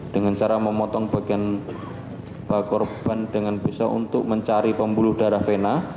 dengan cara memotong bagian korban dengan pisau untuk mencari pembuluh darah vena